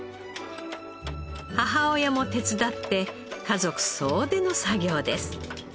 母親も手伝って家族総出の作業です。